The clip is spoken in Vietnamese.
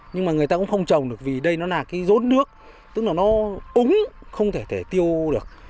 nhưng mà người ta cũng không trồng được vì đây nó là cái rốn nước tức là nó ống không thể tiêu được